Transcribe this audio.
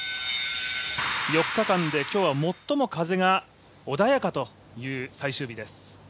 ４日間で今日は最も風が穏やかという最終日です。